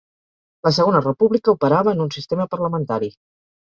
La Segona República operava en un sistema parlamentari.